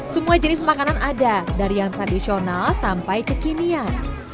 semua jenis makanan ada dari yang tradisional sampai kekinian